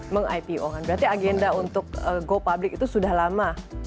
mengipo kan berarti agenda untuk go public itu sudah lama